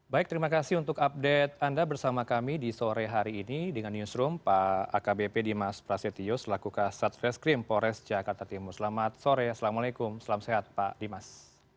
baik terima kasih untuk update anda bersama kami di sore hari ini dengan newsroom pak akbp dimas prasetyus lakukan sat fresh cream polres jakarta timur selamat sore assalamualaikum selam sehat pak dimas